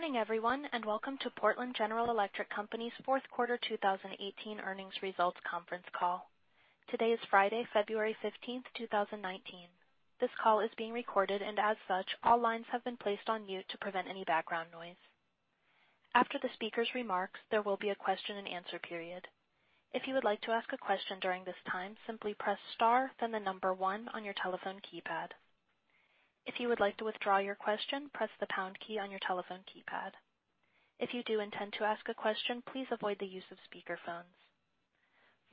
Good morning, everyone, and welcome to Portland General Electric Company's fourth quarter 2018 earnings results conference call. Today is Friday, February 15th, 2019. This call is being recorded, and as such, all lines have been placed on mute to prevent any background noise. After the speaker's remarks, there will be a question and answer period. If you would like to ask a question during this time, simply press star, then the number 1 on your telephone keypad. If you would like to withdraw your question, press the pound key on your telephone keypad. If you do intend to ask a question, please avoid the use of speakerphones.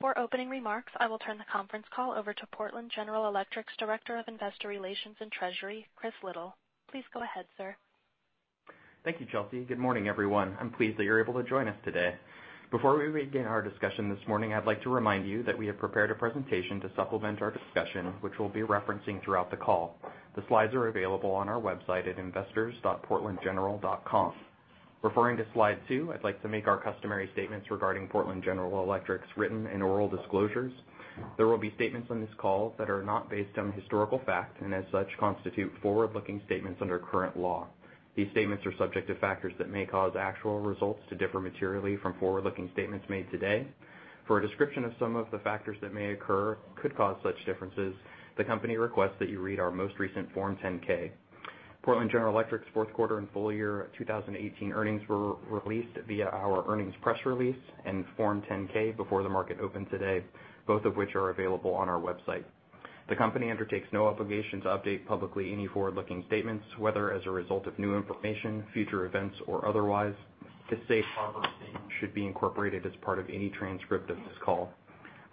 For opening remarks, I will turn the conference call over to Portland General Electric's Director of Investor Relations and Treasury, Chris Liddle. Please go ahead, sir. Thank you, Chelsea. Good morning, everyone. I'm pleased that you're able to join us today. Before we begin our discussion this morning, I'd like to remind you that we have prepared a presentation to supplement our discussion, which we'll be referencing throughout the call. The slides are available on our website at investors.portlandgeneral.com. Referring to slide two, I'd like to make our customary statements regarding Portland General Electric's written and oral disclosures. There will be statements on this call that are not based on historical fact, and as such, constitute forward-looking statements under current law. These statements are subject to factors that may cause actual results to differ materially from forward-looking statements made today. For a description of some of the factors that may occur could cause such differences, the company requests that you read our most recent Form 10-K. Portland General Electric's fourth quarter and full year 2018 earnings were released via our earnings press release and Form 10-K before the market opened today, both of which are available on our website. The company undertakes no obligation to update publicly any forward-looking statements, whether as a result of new information, future events, or otherwise. This safe harbor statement should be incorporated as part of any transcript of this call.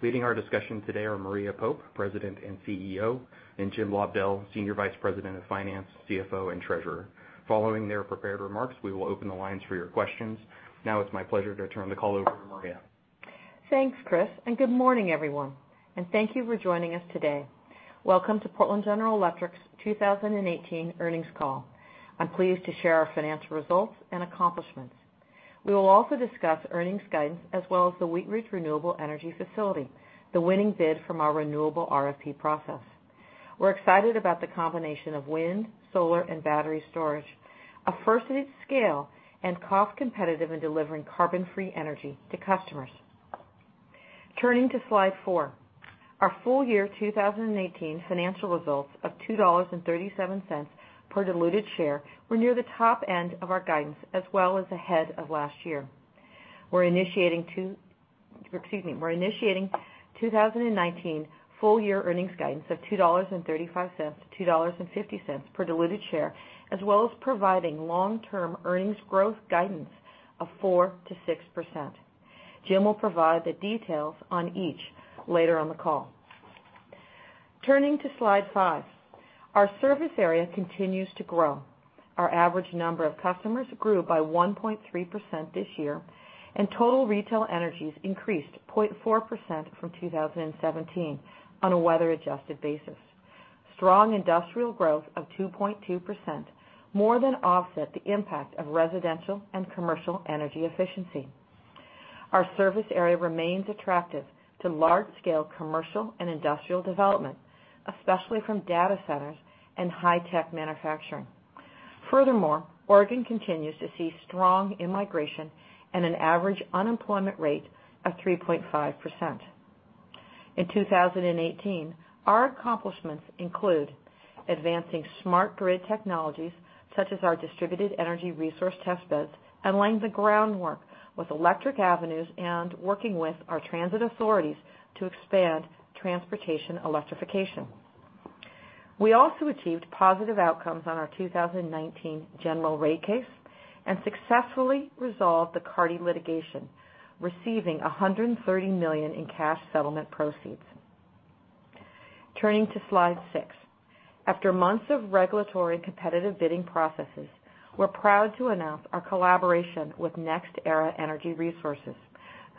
Leading our discussion today are Maria Pope, President and CEO, and Jim Lobdell, Senior Vice President of Finance, CFO, and Treasurer. Following their prepared remarks, we will open the lines for your questions. Now it's my pleasure to turn the call over to Maria. Thanks, Chris. Good morning, everyone. Thank you for joining us today. Welcome to Portland General Electric's 2018 earnings call. I'm pleased to share our financial results and accomplishments. We will also discuss earnings guidance as well as the Wheatridge Renewable Energy Facility, the winning bid from our renewable RFP process. We're excited about the combination of wind, solar, and battery storage, a first of its scale, and cost-competitive in delivering carbon-free energy to customers. Turning to slide four. Our full year 2018 financial results of $2.37 per diluted share were near the top end of our guidance, as well as ahead of last year. We're initiating 2019 full-year earnings guidance of $2.35-$2.50 per diluted share, as well as providing long-term earnings growth guidance of 4%-6%. Jim will provide the details on each later on the call. Turning to slide five. Our service area continues to grow. Our average number of customers grew by 1.3% this year, and total retail energies increased 0.4% from 2017 on a weather-adjusted basis. Strong industrial growth of 2.2% more than offset the impact of residential and commercial energy efficiency. Our service area remains attractive to large-scale commercial and industrial development, especially from data centers and high-tech manufacturing. Furthermore, Oregon continues to see strong immigration and an average unemployment rate of 3.5%. In 2018, our accomplishments include advancing smart grid technologies such as our distributed energy resource test beds and laying the groundwork with Electric Avenue and working with our transit authorities to expand transportation electrification. We also achieved positive outcomes on our 2019 general rate case and successfully resolved the Carty litigation, receiving $130 million in cash settlement proceeds. Turning to slide six. After months of regulatory competitive bidding processes, we're proud to announce our collaboration with NextEra Energy Resources,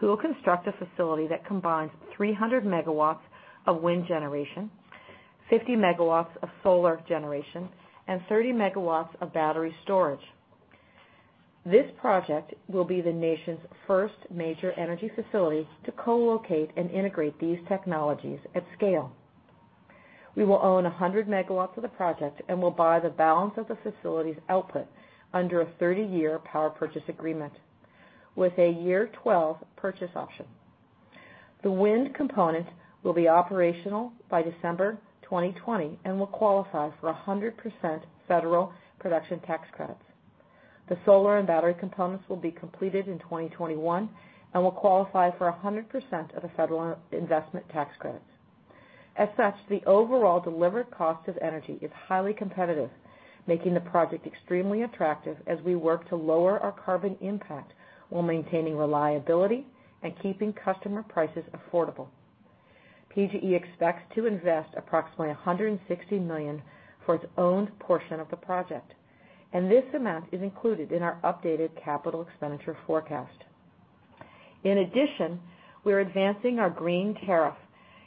who will construct a facility that combines 300 megawatts of wind generation, 50 megawatts of solar generation, and 30 megawatts of battery storage. This project will be the nation's first major energy facility to co-locate and integrate these technologies at scale. We will own 100 megawatts of the project and will buy the balance of the facility's output under a 30-year power purchase agreement with a year 12 purchase option. The wind component will be operational by December 2020 and will qualify for 100% federal production tax credits. The solar and battery components will be completed in 2021 and will qualify for 100% of the federal investment tax credits. As such, the overall delivered cost of energy is highly competitive, making the project extremely attractive as we work to lower our carbon impact while maintaining reliability and keeping customer prices affordable. PGE expects to invest approximately $160 million for its own portion of the project, and this amount is included in our updated capital expenditure forecast. In addition, we're advancing our green tariff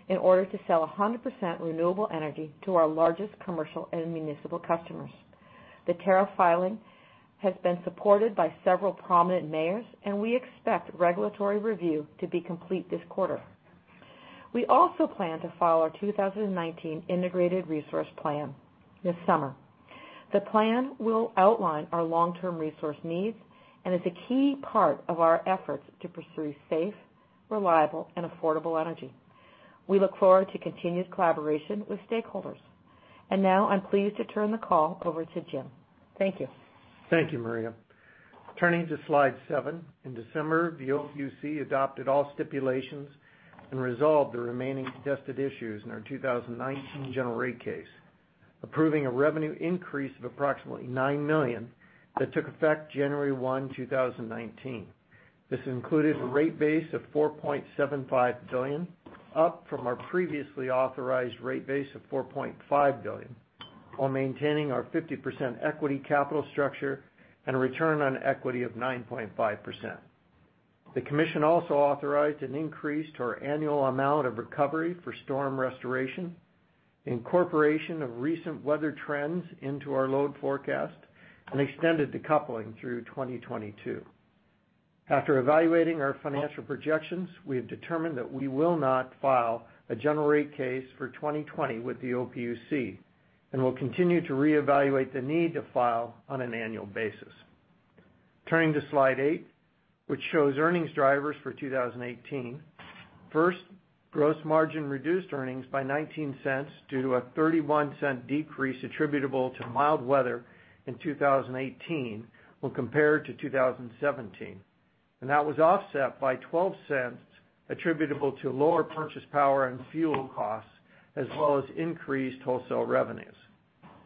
in order to sell 100% renewable energy to our largest commercial and municipal customers. The tariff filing has been supported by several prominent mayors, and we expect regulatory review to be complete this quarter. We also plan to file our 2019 integrated resource plan this summer. The plan will outline our long-term resource needs and is a key part of our efforts to pursue safe, reliable, and affordable energy. We look forward to continued collaboration with stakeholders. Now I'm pleased to turn the call over to Jim. Thank you. Thank you, Maria. Turning to slide seven. In December, the OPUC adopted all stipulations and resolved the remaining contested issues in our 2019 general rate case, approving a revenue increase of approximately $9 million that took effect January 1, 2019. This included a rate base of $4.75 billion, up from our previously authorized rate base of $4.5 billion, while maintaining our 50% equity capital structure and a return on equity of 9.5%. The commission also authorized an increase to our annual amount of recovery for storm restoration, incorporation of recent weather trends into our load forecast, and extended decoupling through 2022. After evaluating our financial projections, we have determined that we will not file a general rate case for 2020 with the OPUC and will continue to reevaluate the need to file on an annual basis. Turning to slide eight, which shows earnings drivers for 2018. First, gross margin reduced earnings by $0.19 due to a $0.31 decrease attributable to mild weather in 2018 when compared to 2017. That was offset by $0.12 attributable to lower purchase power and fuel costs, as well as increased wholesale revenues.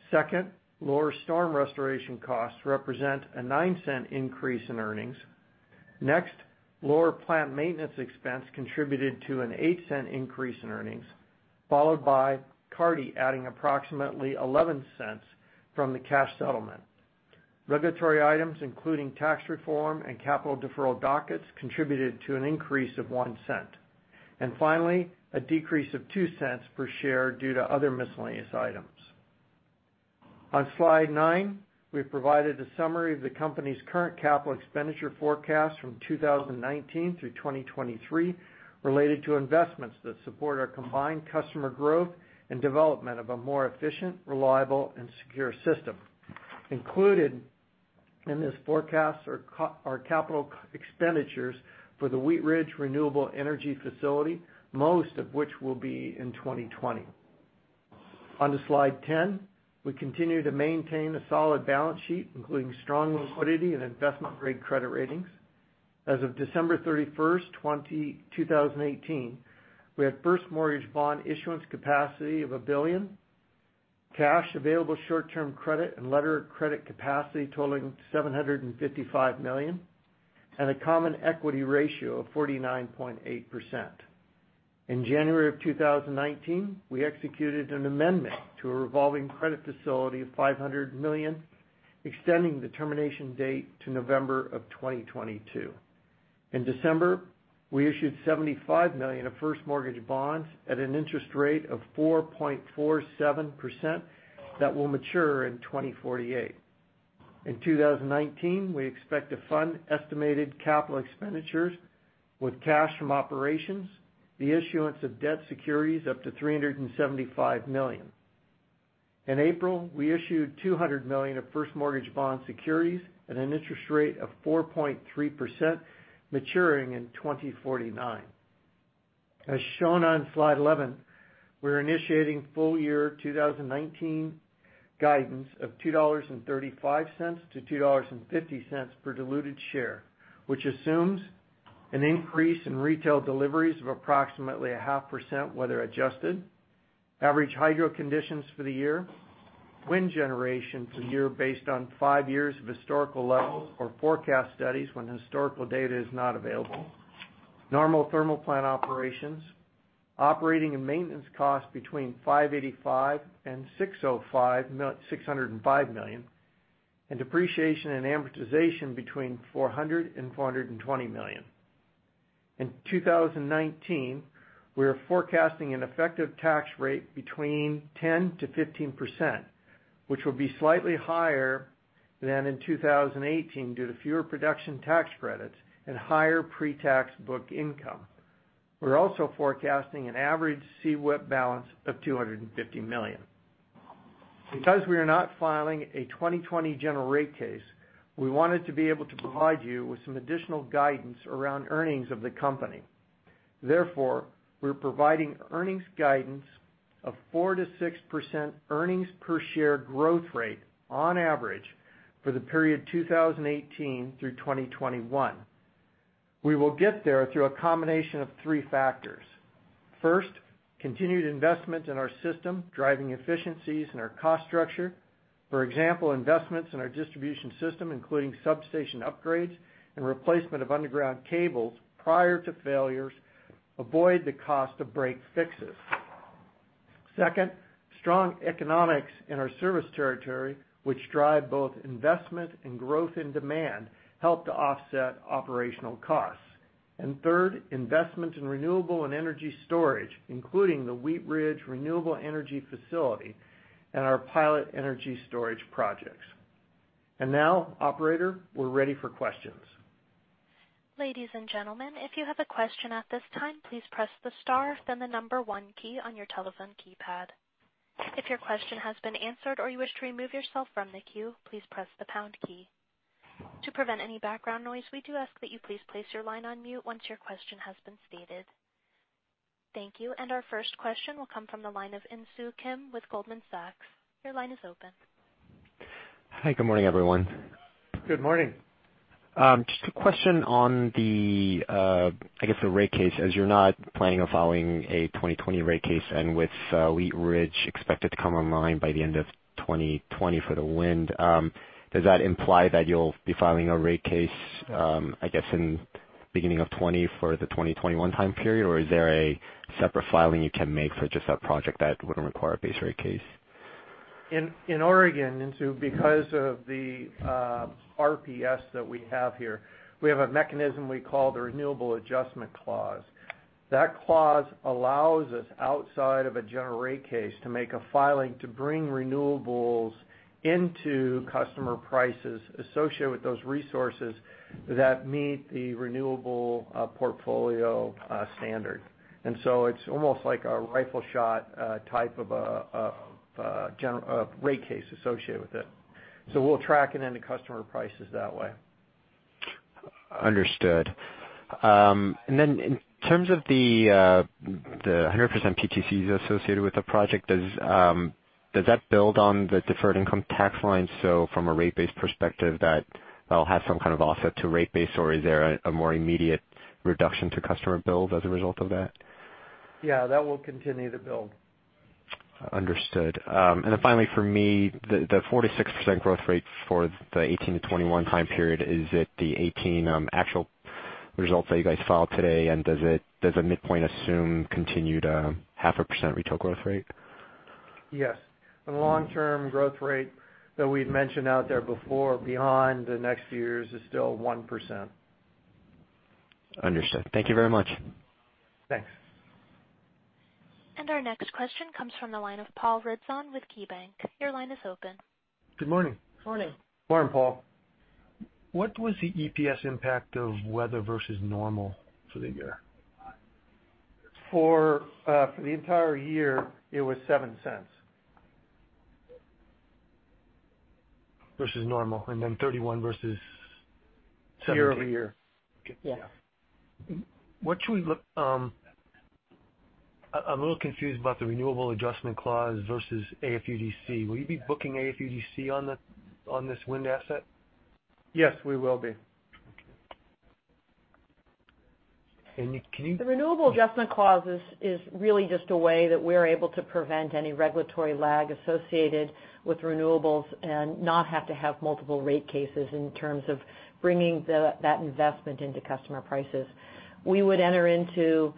Second, lower storm restoration costs represent a $0.09 increase in earnings. Next, lower plant maintenance expense contributed to an $0.08 increase in earnings, followed by Carty adding approximately $0.11 from the cash settlement. Regulatory items, including tax reform and capital deferral dockets, contributed to an increase of $0.01. Finally, a decrease of $0.02 per share due to other miscellaneous items. On slide nine, we've provided a summary of the company's current capital expenditure forecast from 2019 through 2023 related to investments that support our combined customer growth and development of a more efficient, reliable, and secure system. Included in this forecast are capital expenditures for the Wheatridge Renewable Energy Facility, most of which will be in 2020. On to slide 10. We continue to maintain a solid balance sheet, including strong liquidity and investment-grade credit ratings. As of December 31, 2018, we had first mortgage bond issuance capacity of $1 billion, cash available short-term credit, and letter of credit capacity totaling $755 million, and a common equity ratio of 49.8%. In January of 2019, we executed an amendment to a revolving credit facility of $500 million, extending the termination date to November of 2022. In December, we issued $75 million of first mortgage bonds at an interest rate of 4.47% that will mature in 2048. In 2019, we expect to fund estimated capital expenditures with cash from operations, the issuance of debt securities up to $375 million. In April, we issued $200 million of first mortgage bond securities at an interest rate of 4.3%, maturing in 2049. As shown on slide 11, we're initiating full year 2019 guidance of $2.35 to $2.50 per diluted share, which assumes an increase in retail deliveries of approximately a half percent weather-adjusted, average hydro conditions for the year, wind generation for the year based on five years of historical levels or forecast studies when historical data is not available, normal thermal plant operations, operating and maintenance costs between $585 million and $605 million, and depreciation and amortization between $400 million and $420 million. In 2019, we are forecasting an effective tax rate between 10%-15%, which will be slightly higher than in 2018 due to fewer production tax credits and higher pre-tax book income. We're also forecasting an average CWIP balance of $250 million. Because we are not filing a 2020 general rate case, we wanted to be able to provide you with some additional guidance around earnings of the company. Therefore, we're providing earnings guidance of 4%-6% earnings per share growth rate on average for the period 2018 through 2021. We will get there through a combination of three factors. First, continued investments in our system, driving efficiencies in our cost structure. For example, investments in our distribution system, including substation upgrades and replacement of underground cables prior to failures, avoid the cost of break fixes. Second, strong economics in our service territory, which drive both investment and growth in demand, help to offset operational costs. Third, investment in renewable and energy storage, including the Wheatridge Renewable Energy Facility and our pilot energy storage projects. Now, operator, we're ready for questions. Ladies and gentlemen, if you have a question at this time, please press the star, then the number one key on your telephone keypad. If your question has been answered or you wish to remove yourself from the queue, please press the pound key. To prevent any background noise, we do ask that you please place your line on mute once your question has been stated. Thank you. Our first question will come from the line of Insoo Kim with Goldman Sachs. Your line is open. Hi, good morning, everyone. Good morning. Just a question on the, I guess, the rate case, as you're not planning on following a 2020 rate case and with Wheatridge expected to come online by the end of 2020 for the wind. Does that imply that you'll be filing a rate case, I guess, in beginning of 2020 for the 2021 time period? Or is there a separate filing you can make for just that project that wouldn't require a base rate case? In Oregon, Insoo, because of the RPS that we have here, we have a mechanism we call the Renewable Adjustment Clause. That clause allows us outside of a general rate case to make a filing to bring renewables into customer prices associated with those resources that meet the Renewable Portfolio Standard. It's almost like a rifle shot type of rate case associated with it. We'll track it into customer prices that way. Understood. In terms of the 100% PTCs associated with the project, does that build on the deferred income tax line? From a rate base perspective, that'll have some kind of offset to rate base, or is there a more immediate reduction to customer bills as a result of that? Yeah, that will continue to build. Understood. Finally for me, the 4%-6% growth rate for the 2018-2021 time period, is it the 2018 actual results that you guys filed today, does the midpoint assume continued half a percent retail growth rate? Yes. The long-term growth rate that we'd mentioned out there before, beyond the next few years, is still 1%. Understood. Thank you very much. Thanks. Our next question comes from the line of Paul Ridzon with KeyBank. Your line is open. Good morning. Morning. Morning, Paul. What was the EPS impact of weather versus normal for the year? For the entire year, it was $0.07. Versus normal, then 31 versus- Year-over-year. Okay. Yeah. I'm a little confused about the Renewable Adjustment Clause versus AFUDC. Will you be booking AFUDC on this wind asset? Yes, we will be. Okay. can you- The Renewable Adjustment Clause is really just a way that we're able to prevent any regulatory lag associated with renewables and not have to have multiple rate cases in terms of bringing that investment into customer prices. We would enter into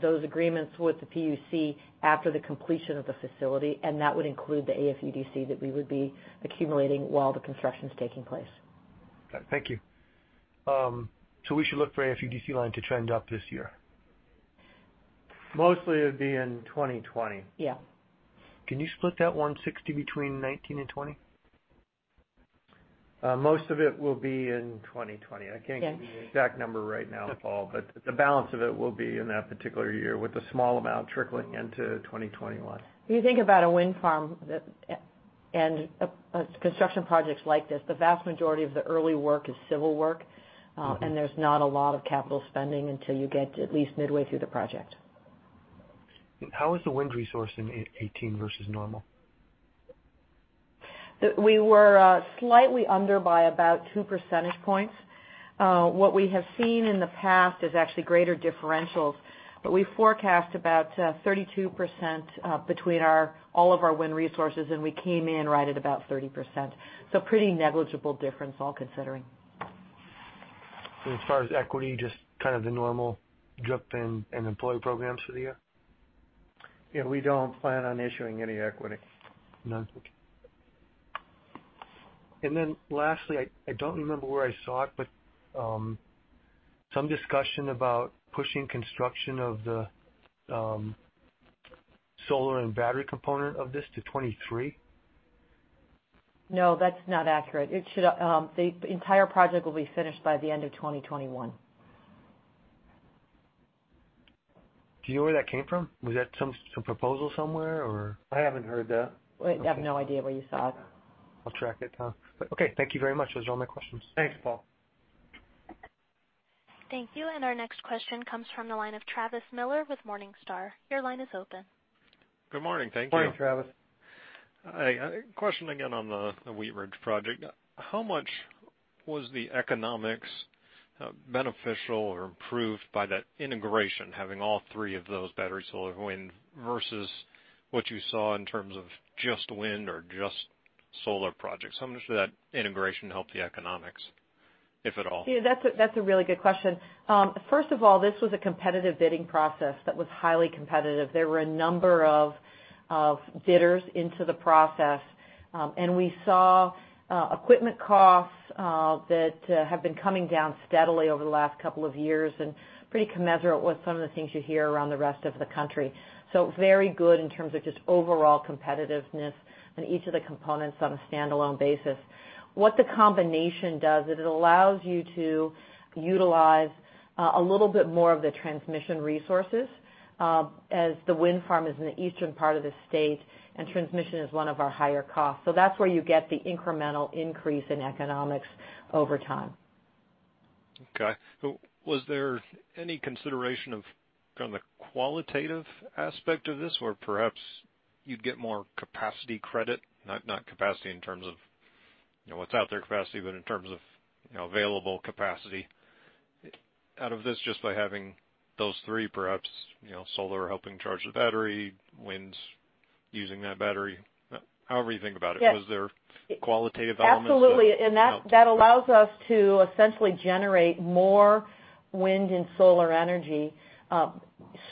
those agreements with the PUC after the completion of the facility, and that would include the AFUDC that we would be accumulating while the construction's taking place. Okay. Thank you. we should look for AFUDC line to trend up this year? Mostly it'd be in 2020. Yeah. Can you split that 160 between 2019 and 2020? Most of it will be in 2020. Yes. I can't give you the exact number right now, Paul, the balance of it will be in that particular year, with a small amount trickling into 2021. When you think about a wind farm and construction projects like this, the vast majority of the early work is civil work. There's not a lot of capital spending until you get to at least midway through the project. How is the wind resource in 2018 versus normal? We were slightly under by about two percentage points. What we have seen in the past is actually greater differentials, but we forecast about 32% between all of our wind resources, and we came in right at about 30%. Pretty negligible difference, all considering. As far as equity, just kind of the normal drift in employee programs for the year? Yeah, we don't plan on issuing any equity. No? Okay. Lastly, I don't remember where I saw it, but some discussion about pushing construction of the solar and battery component of this to 2023? No, that's not accurate. The entire project will be finished by the end of 2021. Do you know where that came from? Was that some proposal somewhere or? I haven't heard that. We have no idea where you saw it. I'll track that down. Okay, thank you very much. Those are all my questions. Thanks, Paul. Thank you. Our next question comes from the line of Travis Miller with Morningstar. Your line is open. Good morning. Thank you. Morning, Travis. Hi. Question again on the Wheatridge project. How much was the economics beneficial or improved by that integration, having all three of those battery, solar, wind, versus what you saw in terms of just wind or just solar projects? How much did that integration help the economics? That's a really good question. First of all, this was a competitive bidding process that was highly competitive. There were a number of bidders into the process. We saw equipment costs that have been coming down steadily over the last couple of years and pretty commensurate with some of the things you hear around the rest of the country. Very good in terms of just overall competitiveness in each of the components on a standalone basis. What the combination does is it allows you to utilize a little bit more of the transmission resources as the wind farm is in the eastern part of the state, and transmission is one of our higher costs. That's where you get the incremental increase in economics over time. Okay. Was there any consideration of kind of the qualitative aspect of this, where perhaps you'd get more capacity credit? Not capacity in terms of what's out there capacity, but in terms of available capacity out of this just by having those three perhaps, solar helping charge the battery, winds using that battery. However you think about it. Yes Was there qualitative elements? Absolutely. Okay. That allows us to essentially generate more wind and solar energy,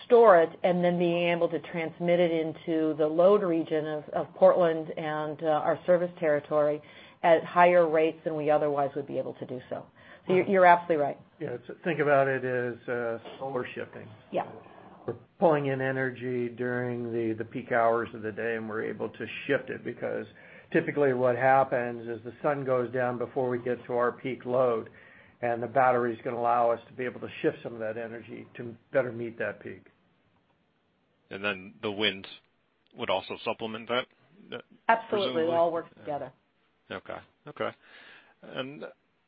store it, and then being able to transmit it into the load region of Portland and our service territory at higher rates than we otherwise would be able to do so. You're absolutely right. Yeah. Think about it as solar shifting. Yeah. We're pulling in energy during the peak hours of the day, we're able to shift it because typically what happens is the sun goes down before we get to our peak load, the battery's going to allow us to be able to shift some of that energy to better meet that peak. The wind would also supplement that presumably? Absolutely. It will all work together. Okay.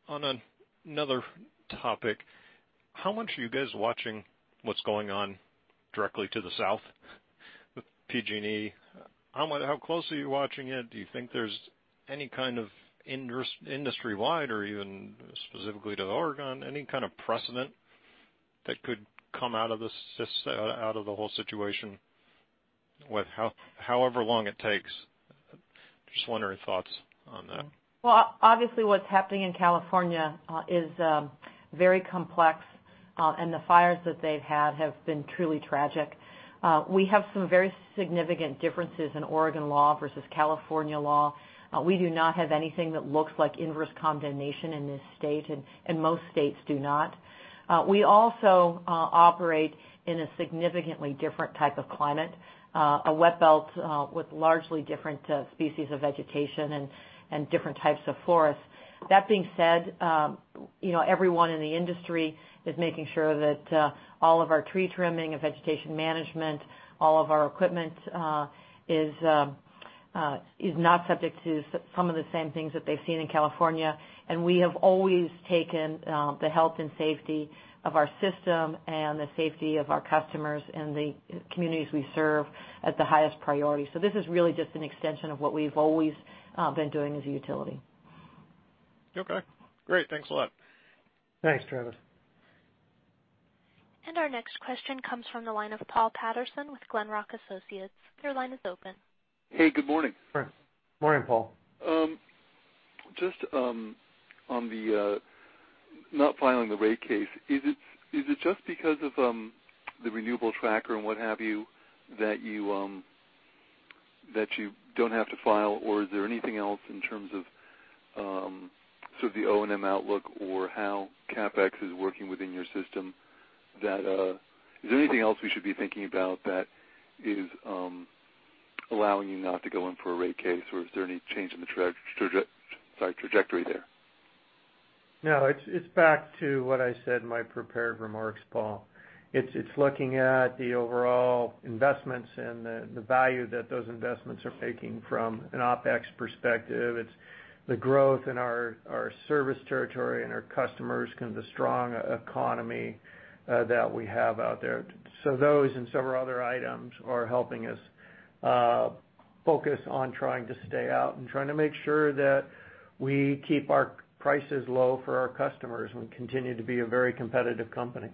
On another topic, how much are you guys watching what's going on directly to the south with PG&E? How close are you watching it? Do you think there's any kind of industry-wide or even specifically to Oregon, any kind of precedent that could come out of the whole situation with however long it takes? Just wondering thoughts on that. Well, obviously, what's happening in California is very complex. The fires that they've had have been truly tragic. We have some very significant differences in Oregon law versus California law. We do not have anything that looks like inverse condemnation in this state, and most states do not. We also operate in a significantly different type of climate, a wet belt with largely different species of vegetation and different types of forests. That being said, everyone in the industry is making sure that all of our tree trimming and vegetation management, all of our equipment is not subject to some of the same things that they've seen in California. We have always taken the health and safety of our system and the safety of our customers and the communities we serve as the highest priority. This is really just an extension of what we've always been doing as a utility. Okay, great. Thanks a lot. Thanks, Travis. Our next question comes from the line of Paul Patterson with Glenrock Associates. Your line is open. Hey, good morning. Morning, Paul. Just on the not filing the rate case, is it just because of the renewable tracker and what have you, that you don't have to file or is there anything else in terms of, sort of the O&M outlook or how CapEx is working within your system? Is there anything else we should be thinking about that is allowing you not to go in for a rate case, or is there any change in the trajectory there? No. It's back to what I said in my prepared remarks, Paul. It's looking at the overall investments and the value that those investments are making from an OpEx perspective. It's the growth in our service territory and our customers, kind of the strong economy that we have out there. Those and several other items are helping us focus on trying to stay out and trying to make sure that we keep our prices low for our customers and continue to be a very competitive company.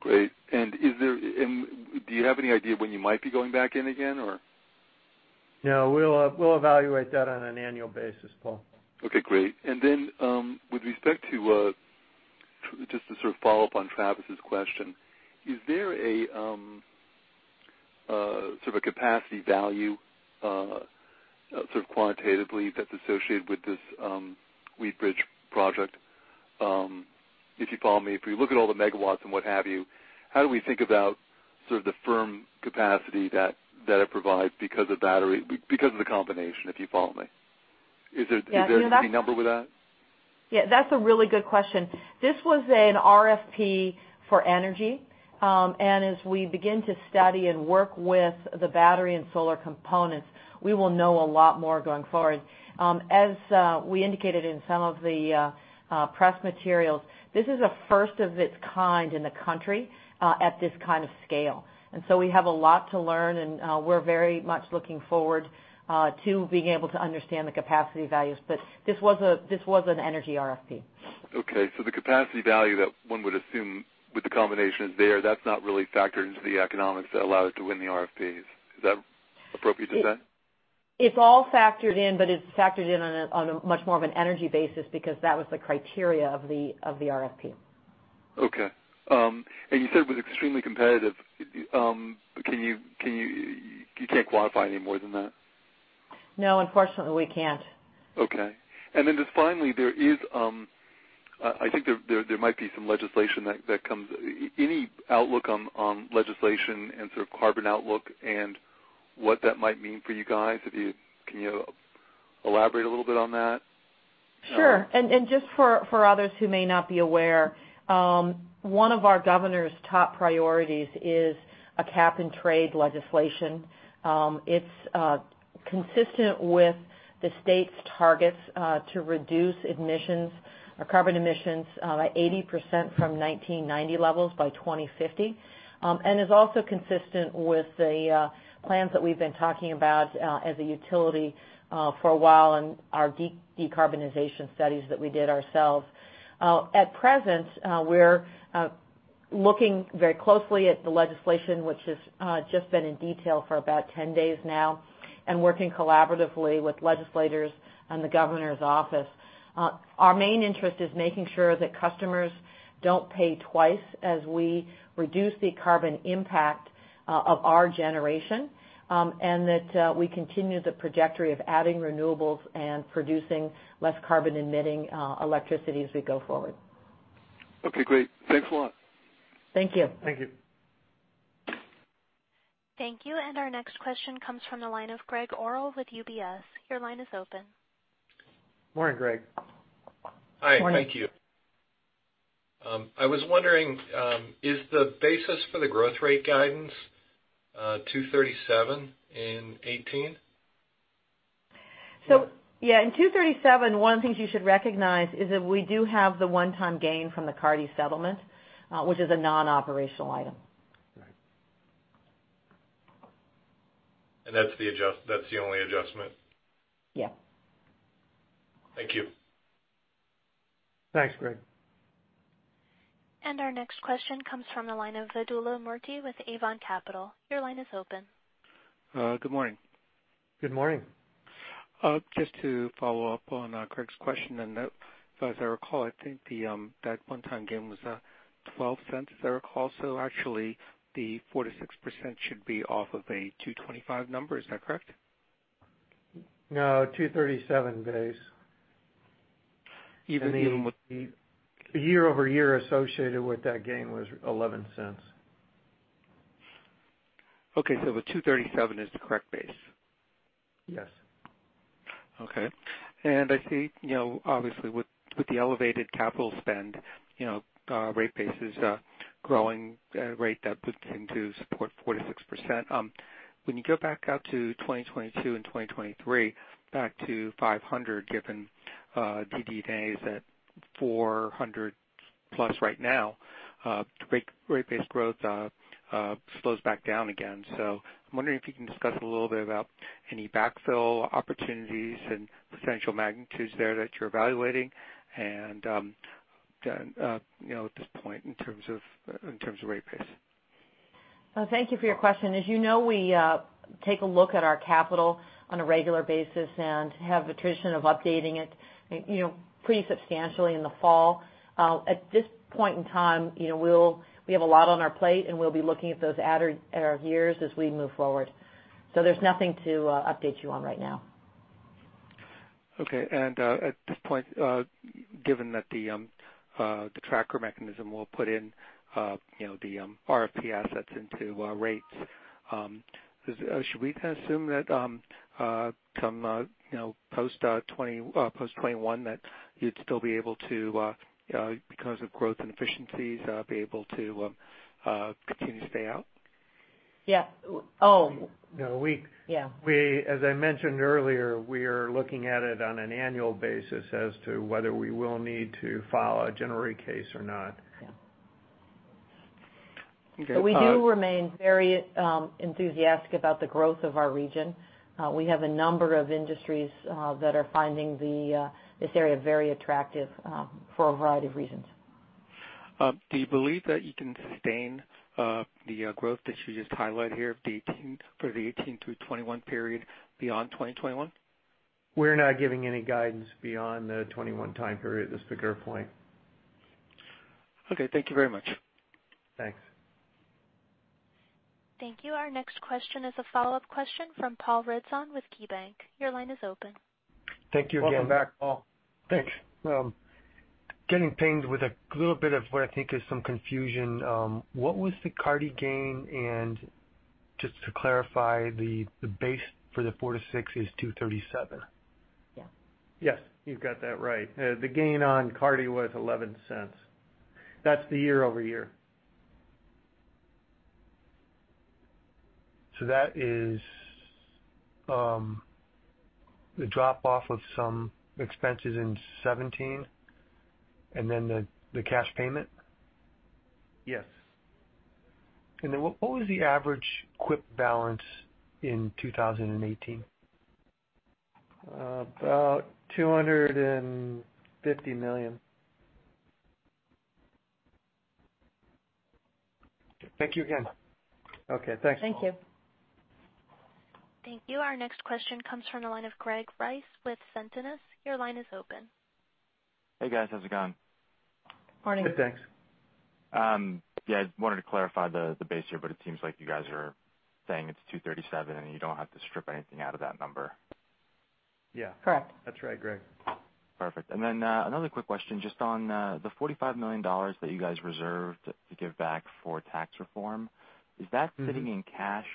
Great. Do you have any idea when you might be going back in again? No. We'll evaluate that on an annual basis, Paul. Okay, great. With respect to, just to sort of follow up on Travis's question, is there a sort of a capacity value, sort of quantitatively, that's associated with this Wheatridge project? If you follow me, if we look at all the megawatts and what have you, how do we think about sort of the firm capacity that it provides because of the combination, if you follow me? Yeah. Is there any number with that? Yeah, that's a really good question. This was an RFP for energy. As we begin to study and work with the battery and solar components, we will know a lot more going forward. As we indicated in some of the press materials, this is a first of its kind in the country at this kind of scale. We have a lot to learn, and we're very much looking forward to being able to understand the capacity values. This was an energy RFP. Okay. The capacity value that one would assume with the combination there, that's not really factored into the economics that allowed it to win the RFPs. Is that appropriate to say? It's all factored in, but it's factored in on a much more of an energy basis because that was the criteria of the RFP. Okay. You said it was extremely competitive. You can't quantify it any more than that? No, unfortunately we can't. Okay. Just finally, I think there might be some legislation that comes. Any outlook on legislation and sort of carbon outlook and what that might mean for you guys? Can you elaborate a little bit on that? Sure. Just for others who may not be aware, one of our governor's top priorities is a cap and trade legislation. It's consistent with the state's targets to reduce emissions or carbon emissions by 80% from 1990 levels by 2050, and is also consistent with the plans that we've been talking about as a utility for a while and our decarbonization studies that we did ourselves. At present, we're looking very closely at the legislation, which has just been in detail for about 10 days now, and working collaboratively with legislators and the governor's office. Our main interest is making sure that customers don't pay twice as we reduce the carbon impact of our generation, and that we continue the trajectory of adding renewables and producing less carbon-emitting electricity as we go forward. Okay, great. Thanks a lot. Thank you. Thank you. Thank you. Our next question comes from the line of Gregg Orrill with UBS. Your line is open. Morning, Gregg. Morning. Hi. Thank you. I was wondering, is the basis for the growth rate guidance 237 in 2018? Yeah, in 237, one of the things you should recognize is that we do have the one-time gain from the Carty settlement, which is a non-operational item. Right. That's the only adjustment? Yeah. Thank you. Thanks, Gregg. Our next question comes from the line of Vidula Moorti with Avon Capital. Your line is open. Good morning. Good morning. Just to follow up on Gregg's question, as I recall, I think that one-time gain was $0.12 if I recall. Actually, the 4%-6% should be off of a $2.25 number. Is that correct? No, $2.37 base. Even with the- Year-over-year associated with that gain was $0.11. Okay. The 237 is the correct base? Yes. Okay. I see, obviously with the elevated capital spend, rate base is growing at a rate that would seem to support 4%-6%. When you go back out to 2022 and 2023, back to 500 given DD&A days at 400+ right now, the rate base growth slows back down again. I'm wondering if you can discuss a little bit about any backfill opportunities and potential magnitudes there that you're evaluating, and at this point, in terms of rate base. Thank you for your question. As you know, we take a look at our capital on a regular basis and have a tradition of updating it pretty substantially in the fall. At this point in time, we have a lot on our plate, and we'll be looking at those outer years as we move forward. There's nothing to update you on right now. Okay. At this point, given that the tracker mechanism will put in the RFP assets into rates, should we assume that come post 2021, that you'd still be able to, because of growth and efficiencies, be able to continue to stay out? Yeah. Oh. No. Yeah. As I mentioned earlier, we are looking at it on an annual basis as to whether we will need to file a general rate case or not. Okay. We do remain very enthusiastic about the growth of our region. We have a number of industries that are finding this area very attractive for a variety of reasons. Do you believe that you can sustain the growth that you just highlighted here for the 2018 through 2021 period, beyond 2021? We're not giving any guidance beyond the 2021 time period at this particular point. Okay. Thank you very much. Thanks. Thank you. Our next question is a follow-up question from Paul Ridzon with KeyBank. Your line is open. Thank you again. Welcome back, Paul. Thanks. Getting pinged with a little bit of what I think is some confusion. What was the Carty gain? Just to clarify, the base for the 4%-6% is $237? Yeah. Yes. You've got that right. The gain on Carty was $0.11. That's the year-over-year. That is the drop off of some expenses in 2017, the cash payment? Yes. What was the average CWIP balance in 2018? About $250 million. Thank you again. Okay, thanks. Thank you. Thank you. Our next question comes from the line of Greg Rice with Sentinus. Your line is open. Hey, guys. How's it going? Morning. Good, thanks. Yeah, just wanted to clarify the base here, it seems like you guys are saying it's $2.37, and you don't have to strip anything out of that number. Yeah. Correct. That's right, Greg. Perfect. Another quick question just on the $45 million that you guys reserved to give back for tax reform. Is that sitting in cash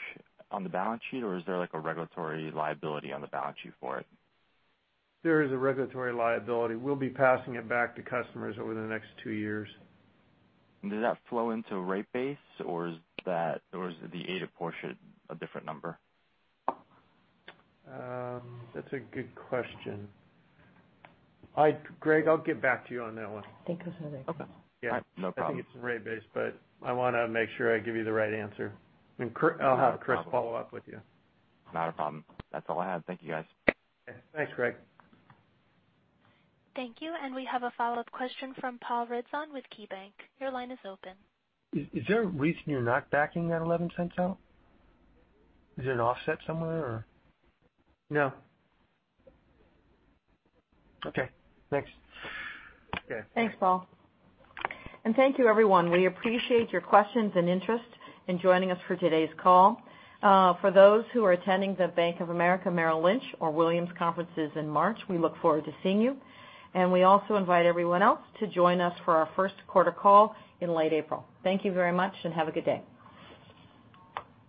on the balance sheet, or is there a regulatory liability on the balance sheet for it? There is a regulatory liability. We'll be passing it back to customers over the next two years. Does that flow into rate base, or is the ADIT portion a different number? That's a good question. Greg, I'll get back to you on that one. I think those are there. Okay. Yeah. No problem. I think it's the rate base, but I want to make sure I give you the right answer. I'll have Chris follow up with you. Not a problem. That's all I had. Thank you, guys. Thanks, Greg. Thank you. We have a follow-up question from Paul Ridzon with KeyBank. Your line is open. Is there a reason you're not backing that $0.11 out? Is it an offset somewhere, or? No. Okay. Thanks. Okay. Thanks, Paul. Thank you, everyone. We appreciate your questions and interest in joining us for today's call. For those who are attending the Bank of America, Merrill Lynch, or Williams Conferences in March, we look forward to seeing you. We also invite everyone else to join us for our first quarter call in late April. Thank you very much, and have a good day.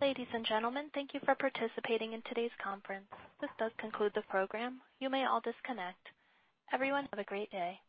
Ladies and gentlemen, thank you for participating in today's conference. This does conclude the program. You may all disconnect. Everyone, have a great day.